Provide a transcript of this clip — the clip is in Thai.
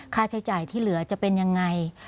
ค่าใช้จ่ายที่เหลือจะเป็นยังไง